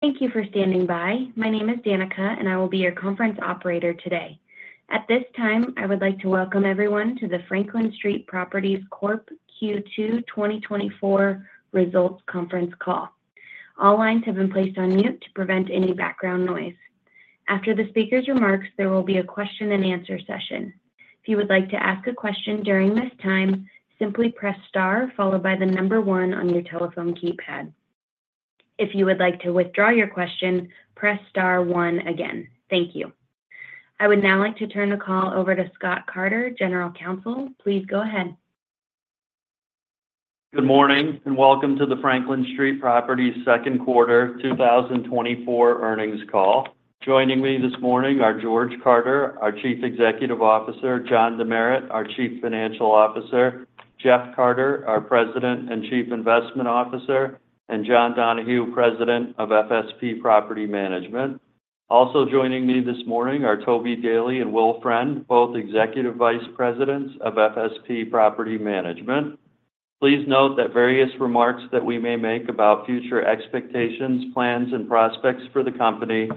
Thank you for standing by. My name is Danica, and I will be your conference operator today. At this time, I would like to welcome everyone to the Franklin Street Properties Corp Q2 2024 results conference call. All lines have been placed on mute to prevent any background noise. After the speaker's remarks, there will be a question-and-answer session. If you would like to ask a question during this time, simply press star followed by the number one on your telephone keypad. If you would like to withdraw your question, press star one again. Thank you. I would now like to turn the call over to Scott Carter, General Counsel. Please go ahead. Good morning, and welcome to the Franklin Street Properties second quarter 2024 earnings call. Joining me this morning are George Carter, our Chief Executive Officer, John Demeritt, our Chief Financial Officer, Jeff Carter, our President and Chief Investment Officer, and John Donahue, President of FSP Property Management. Also joining me this morning are Toby Daly and Will Friend, both Executive Vice Presidents of FSP Property Management. Please note that various remarks that we may make about future expectations, plans, and prospects for the company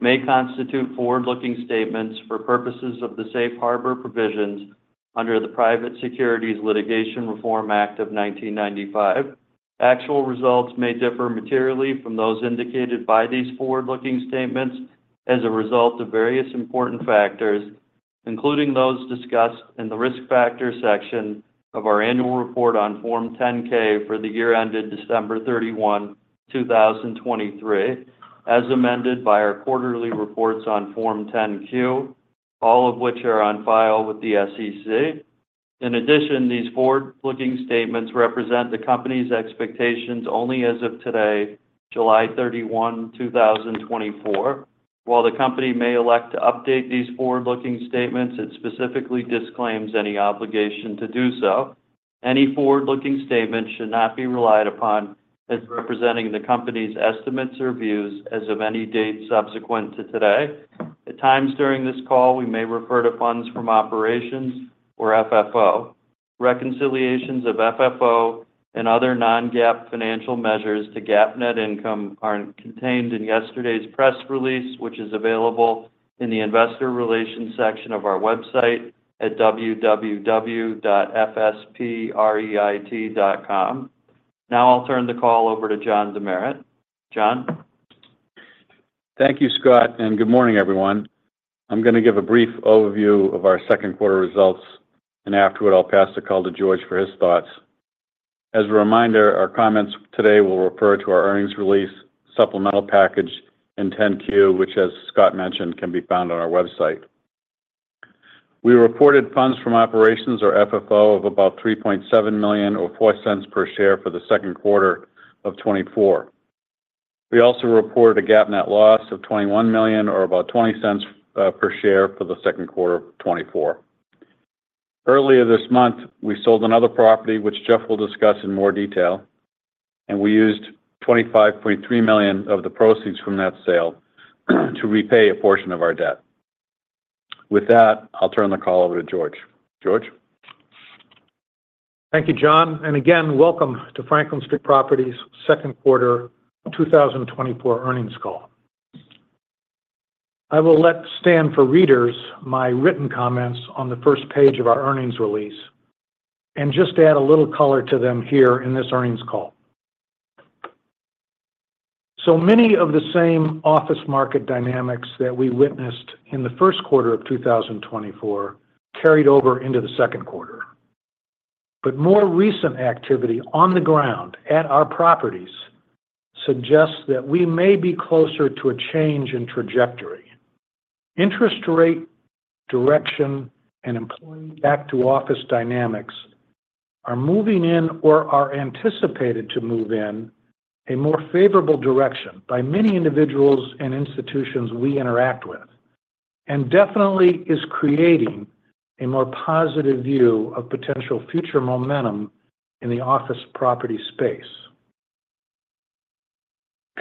may constitute forward-looking statements for purposes of the safe harbor provisions under the Private Securities Litigation Reform Act of 1995. Actual results may differ materially from those indicated by these forward-looking statements as a result of various important factors, including those discussed in the Risk Factors section of our annual report on Form 10-K for the year ended December 31, 2023, as amended by our quarterly reports on Form 10-Q, all of which are on file with the SEC. In addition, these forward-looking statements represent the company's expectations only as of today, July 31, 2024. While the company may elect to update these forward-looking statements, it specifically disclaims any obligation to do so. Any forward-looking statements should not be relied upon as representing the company's estimates or views as of any date subsequent to today. At times during this call, we may refer to funds from operations or FFO. Reconciliations of FFO and other non-GAAP financial measures to GAAP net income are contained in yesterday's press release, which is available in the Investor Relations section of our website at www.fspreit.com. Now I'll turn the call over to John Demeritt. John? Thank you, Scott, and good morning, everyone. I'm gonna give a brief overview of our second quarter results, and afterward I'll pass the call to George for his thoughts. As a reminder, our comments today will refer to our earnings release, supplemental package, and 10-Q, which, as Scott mentioned, can be found on our website. We reported funds from operations, or FFO, of about $3.7 million or $0.04 per share for the second quarter of 2024. We also reported a GAAP net loss of $21 million or about $0.20 per share for the second quarter of 2024. Earlier this month, we sold another property, which Jeff will discuss in more detail, and we used $25.3 million of the proceeds from that sale to repay a portion of our debt. With that, I'll turn the call over to George. George? Thank you, John, and again, welcome to Franklin Street Properties second quarter 2024 earnings call. I will let stand for readers my written comments on the first page of our earnings release, and just add a little color to them here in this earnings call. So many of the same office market dynamics that we witnessed in the first quarter of 2024 carried over into the second quarter. But more recent activity on the ground at our properties suggests that we may be closer to a change in trajectory. Interest rate, direction, and employee back to office dynamics are moving in or are anticipated to move in a more favorable direction by many individuals and institutions we interact with, and definitely is creating a more positive view of potential future momentum in the office property space.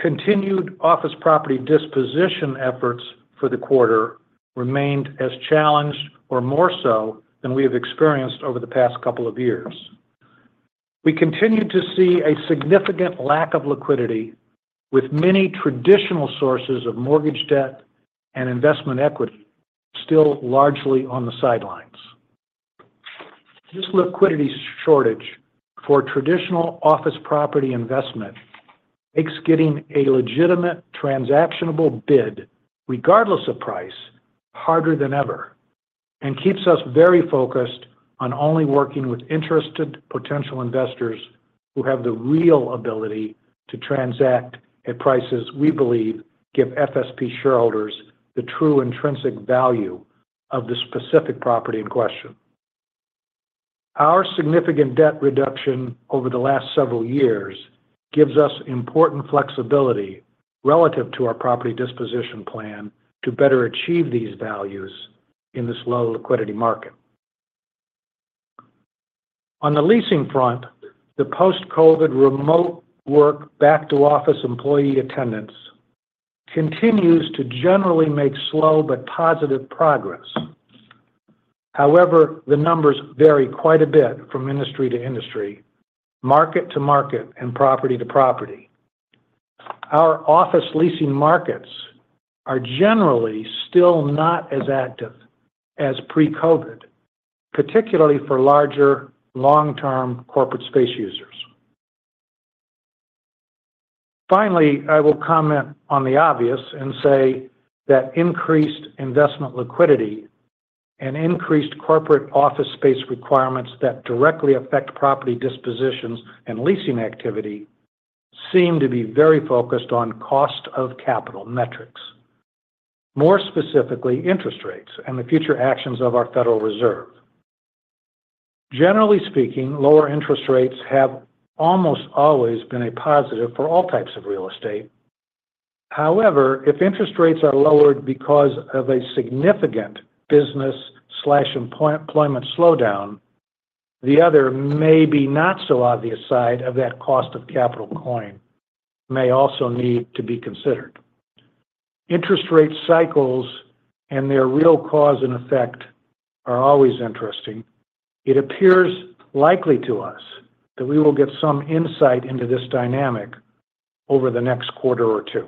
Continued office property disposition efforts for the quarter remained as challenged or more so than we have experienced over the past couple of years. We continued to see a significant lack of liquidity, with many traditional sources of mortgage debt and investment equity still largely on the sidelines. This liquidity shortage for traditional office property investment makes getting a legitimate transactionable bid, regardless of price, harder than ever, and keeps us very focused on only working with interested potential investors who have the real ability to transact at prices we believe give FSP shareholders the true intrinsic value of the specific property in question. Our significant debt reduction over the last several years gives us important flexibility relative to our property disposition plan to better achieve these values in this low liquidity market. On the leasing front, the post-COVID remote work back to office employee attendance continues to generally make slow but positive progress. However, the numbers vary quite a bit from industry to industry, market to market, and property to property. Our office leasing markets are generally still not as active as pre-COVID, particularly for larger, long-term corporate space users. Finally, I will comment on the obvious and say that increased investment liquidity and increased corporate office space requirements that directly affect property dispositions and leasing activity seem to be very focused on cost of capital metrics. More specifically, interest rates and the future actions of our Federal Reserve. Generally speaking, lower interest rates have almost always been a positive for all types of real estate. However, if interest rates are lowered because of a significant business or employment slowdown, the other, maybe not so obvious, side of that cost of capital coin may also need to be considered. Interest rate cycles and their real cause and effect are always interesting. It appears likely to us that we will get some insight into this dynamic over the next quarter or two.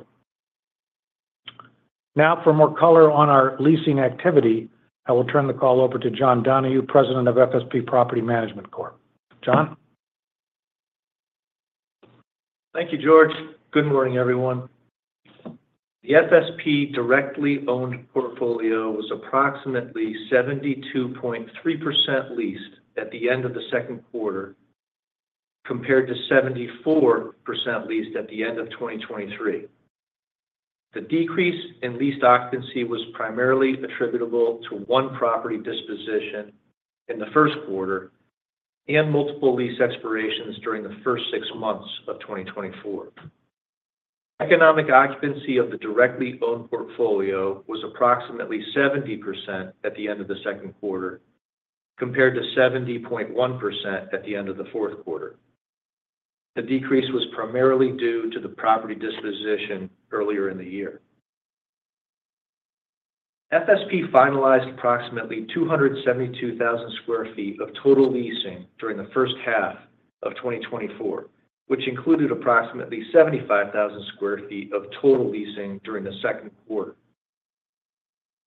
Now, for more color on our leasing activity, I will turn the call over to John Donahue, President of FSP Property Management Corp. John? Thank you, George. Good morning, everyone. The FSP directly owned portfolio was approximately 72.3% leased at the end of the second quarter, compared to 74% leased at the end of 2023. The decrease in leased occupancy was primarily attributable to one property disposition in the first quarter and multiple lease expirations during the first six months of 2024. Economic occupancy of the directly owned portfolio was approximately 70% at the end of the second quarter, compared to 70.1% at the end of the fourth quarter. The decrease was primarily due to the property disposition earlier in the year. FSP finalized approximately 272,000 sq ft of total leasing during the first half of 2024, which included approximately 75,000 sq ft of total leasing during the second quarter.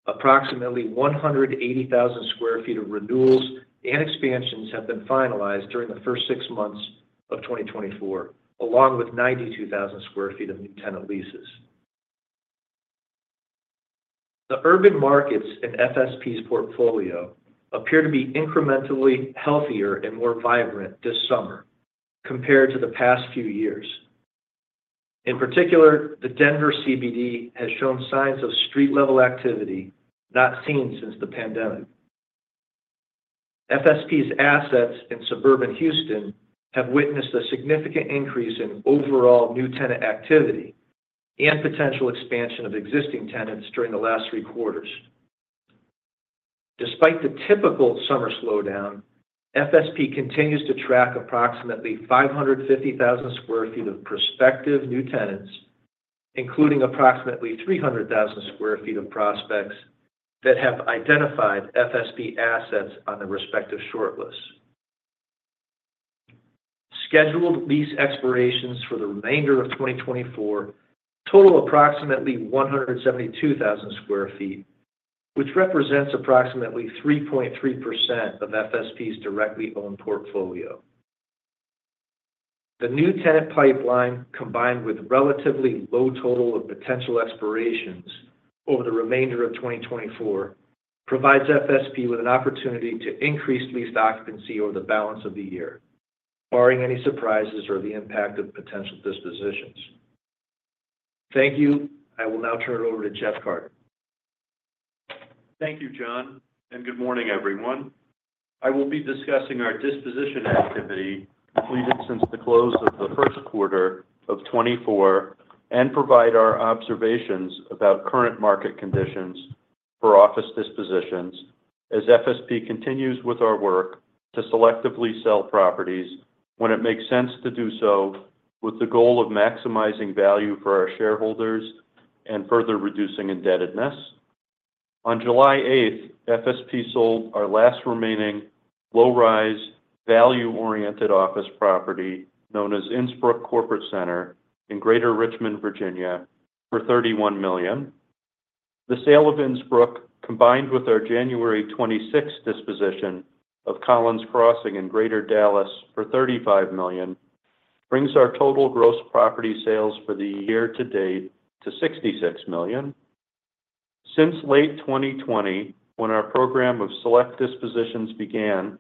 Approximately 180,000 sq ft of renewals and expansions have been finalized during the first six months of 2024, along with 92,000 sq ft of new tenant leases. The urban markets in FSP's portfolio appear to be incrementally healthier and more vibrant this summer compared to the past few years. In particular, the Denver CBD has shown signs of street-level activity not seen since the pandemic. FSP's assets in suburban Houston have witnessed a significant increase in overall new tenant activity and potential expansion of existing tenants during the last three quarters. Despite the typical summer slowdown, FSP continues to track approximately 550,000 sq ft of prospective new tenants, including approximately 300,000 sq ft of prospects that have identified FSP assets on their respective shortlists. Scheduled lease expirations for the remainder of 2024 total approximately 172,000 sq ft, which represents approximately 3.3% of FSP's directly owned portfolio. The new tenant pipeline, combined with relatively low total of potential expirations over the remainder of 2024, provides FSP with an opportunity to increase lease occupancy over the balance of the year, barring any surprises or the impact of potential dispositions. Thank you. I will now turn it over to Jeff Carter. Thank you, John, and good morning, everyone. I will be discussing our disposition activity completed since the close of the first quarter of 2024 and provide our observations about current market conditions for office dispositions as FSP continues with our work to selectively sell properties when it makes sense to do so, with the goal of maximizing value for our shareholders and further reducing indebtedness. On July 8, FSP sold our last remaining low-rise, value-oriented office property, known as Innsbrook Corporate Center in Greater Richmond, Virginia, for $31 million. The sale of Innsbrook, combined with our January 26 disposition of Collins Crossing in Greater Dallas for $35 million, brings our total gross property sales for the year to date to $66 million. Since late 2020, when our program of select dispositions began,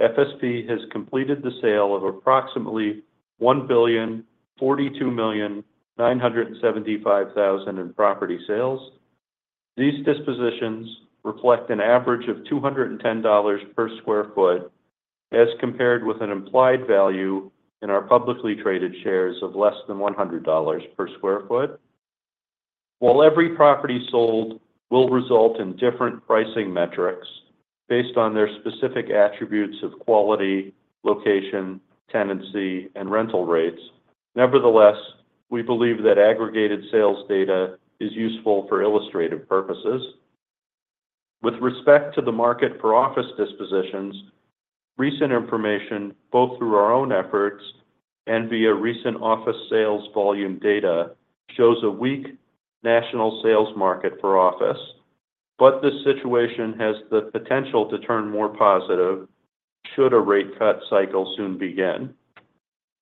FSP has completed the sale of approximately $1,042,975,000 in property sales. These dispositions reflect an average of $210 per sq ft, as compared with an implied value in our publicly traded shares of less than $100 per sq ft. While every property sold will result in different pricing metrics based on their specific attributes of quality, location, tenancy, and rental rates, nevertheless, we believe that aggregated sales data is useful for illustrative purposes. With respect to the market for office dispositions, recent information, both through our own efforts and via recent office sales volume data, shows a weak national sales market for office. But this situation has the potential to turn more positive should a rate cut cycle soon begin.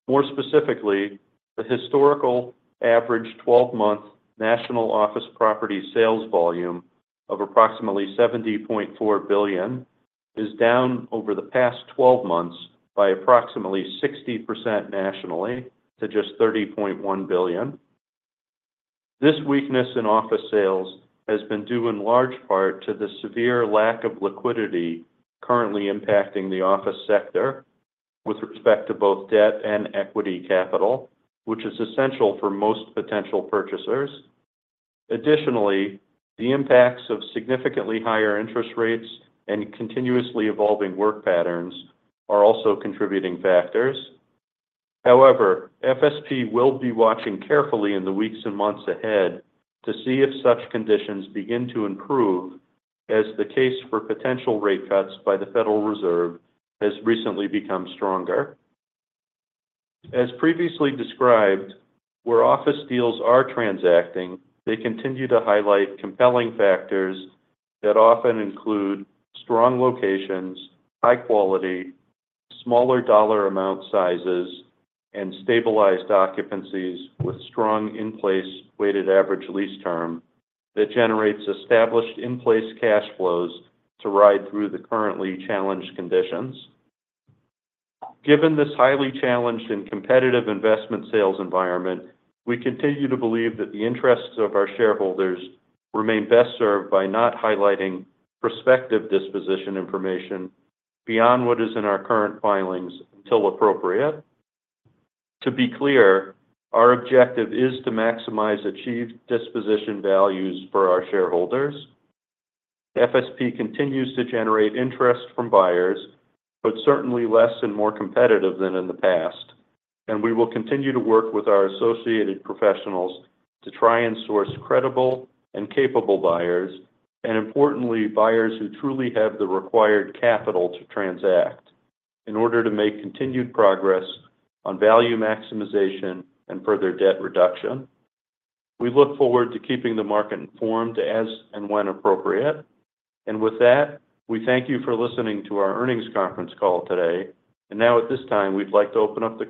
More specifically, the historical average 12-month national office property sales volume of approximately $70.4 billion is down over the past 12 months by approximately 60% nationally to just $30.1 billion. This weakness in office sales has been due in large part to the severe lack of liquidity currently impacting the office sector with respect to both debt and equity capital, which is essential for most potential purchasers. Additionally, the impacts of significantly higher interest rates and continuously evolving work patterns are also contributing factors. However, FSP will be watching carefully in the weeks and months ahead to see if such conditions begin to improve, as the case for potential rate cuts by the Federal Reserve has recently become stronger. As previously described, where office deals are transacting, they continue to highlight compelling factors that often include strong locations, high quality, smaller dollar amount sizes, and stabilized occupancies with strong in-place weighted average lease term that generates established in-place cash flows to ride through the currently challenged conditions. Given this highly challenged and competitive investment sales environment, we continue to believe that the interests of our shareholders remain best served by not highlighting prospective disposition information beyond what is in our current filings until appropriate. To be clear, our objective is to maximize achieved disposition values for our shareholders. FSP continues to generate interest from buyers, but certainly less and more competitive than in the past, and we will continue to work with our associated professionals to try and source credible and capable buyers, and importantly, buyers who truly have the required capital to transact in order to make continued progress on value maximization and further debt reduction. We look forward to keeping the market informed as and when appropriate. With that, we thank you for listening to our earnings conference call today. Now, at this time, we'd like to open up the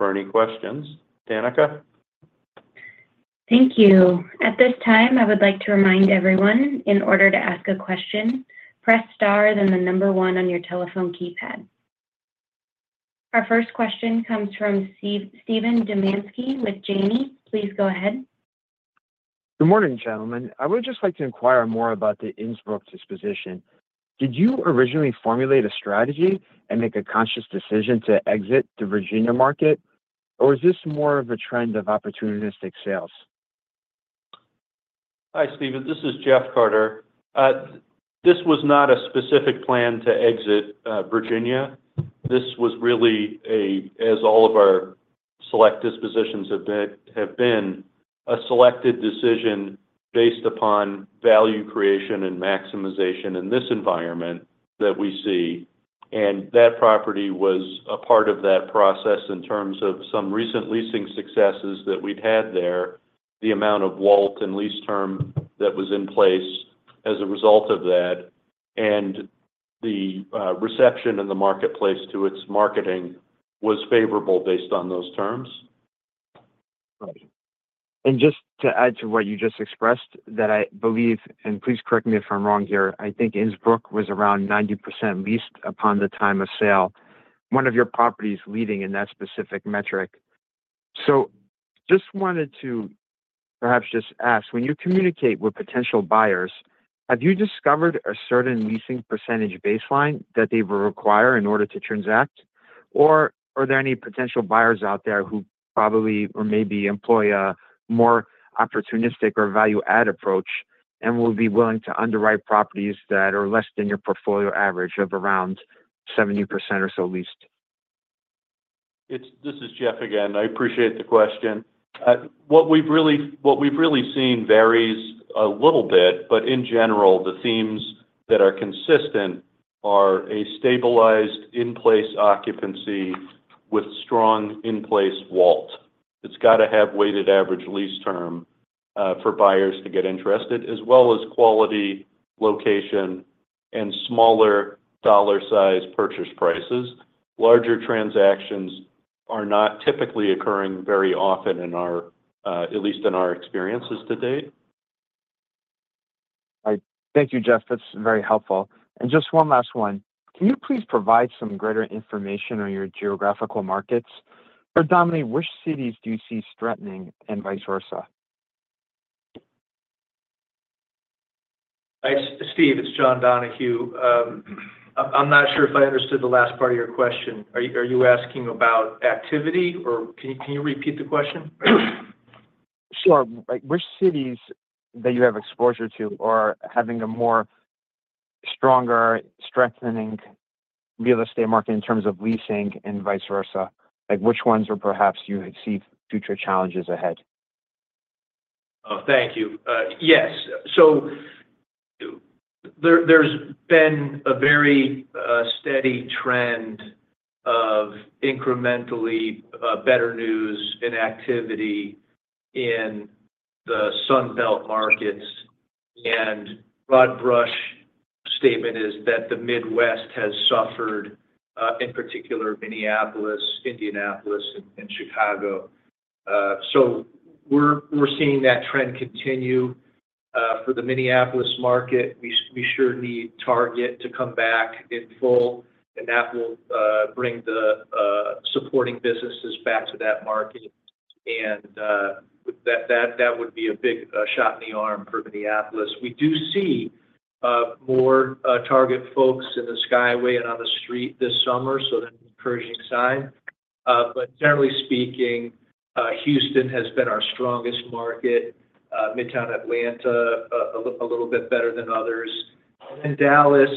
call for any questions. Danica? Thank you. At this time, I would like to remind everyone, in order to ask a question, press star, then the number one on your telephone keypad. Our first question comes from Steve- Steven Dumanski with Janney. Please go ahead. Good morning, gentlemen. I would just like to inquire more about the Innsbrook disposition. Did you originally formulate a strategy and make a conscious decision to exit the Virginia market, or is this more of a trend of opportunistic sales? Hi, Steven. This is Jeff Carter. This was not a specific plan to exit Virginia. This was really a, as all of our select dispositions have been, a selected decision based upon value creation and maximization in this environment that we see, and that property was a part of that process in terms of some recent leasing successes that we'd had there, the amount of WALT and lease term that was in place as a result of that, and the reception in the marketplace to its marketing was favorable based on those terms. Right. And just to add to what you just expressed, that I believe, and please correct me if I'm wrong here, I think Innsbrook was around 90% leased upon the time of sale, one of your properties leading in that specific metric. So just wanted to perhaps just ask, when you communicate with potential buyers, have you discovered a certain leasing percentage baseline that they will require in order to transact? Or are there any potential buyers out there who probably or maybe employ a more opportunistic or value add approach and will be willing to underwrite properties that are less than your portfolio average of around 70% or so leased? This is Jeff again. I appreciate the question. What we've really, what we've really seen varies a little bit, but in general, the themes that are consistent are a stabilized in-place occupancy with strong in-place WALT. It's got to have weighted average lease term for buyers to get interested, as well as quality, location, and smaller dollar size purchase prices. Larger transactions are not typically occurring very often in our, at least in our experiences to date. I thank you, Jeff. That's very helpful. Just one last one: Can you please provide some greater information on your geographical markets? Predominantly, which cities do you see threatening and vice versa? Hi, Steve, it's John Donahue. I'm not sure if I understood the last part of your question. Are you asking about activity, or can you repeat the question? Sure. Like, which cities that you have exposure to are having a stronger, strengthening real estate market in terms of leasing and vice versa? Like, which ones are perhaps you see future challenges ahead? Oh, thank you. Yes, so there's been a very steady trend of incrementally better news and activity in the Sun Belt markets. Broad brush statement is that the Midwest has suffered in particular Minneapolis, Indianapolis, and Chicago. So we're seeing that trend continue. For the Minneapolis market, we sure need Target to come back in full, and that will bring the supporting businesses back to that market. That would be a big shot in the arm for Minneapolis. We do see more Target folks in the Skyway and on the street this summer, so that's an encouraging sign. But generally speaking, Houston has been our strongest market. Midtown Atlanta a little bit better than others. Dallas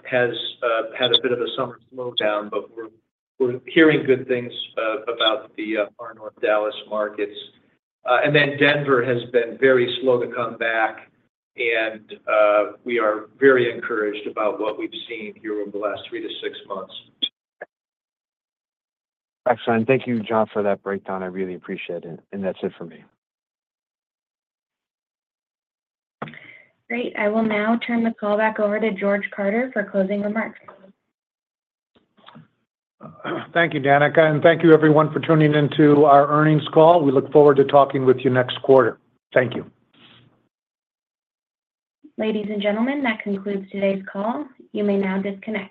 has had a bit of a summer slowdown, but we're hearing good things about our North Dallas markets. And then Denver has been very slow to come back, and we are very encouraged about what we've seen here over the last three, six months. Excellent. Thank you, John, for that breakdown. I really appreciate it, and that's it for me. Great. I will now turn the call back over to George Carter for closing remarks. Thank you, Danica, and thank you everyone for tuning in to our earnings call. We look forward to talking with you next quarter. Thank you. Ladies and gentlemen, that concludes today's call. You may now disconnect.